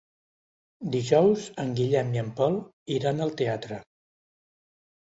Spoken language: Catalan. Dijous en Guillem i en Pol iran al teatre.